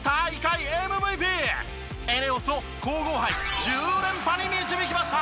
ＥＮＥＯＳを皇后杯１０連覇に導きました。